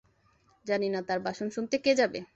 জানিনা তার ভাষণ শুনতে কে যাবে?